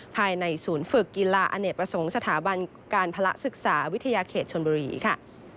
ภายในศูนย์ฝึกกีฬาอเนกประสงค์สถาบันการภาระศึกษาวิทยาเขตชนบุรีค่ะ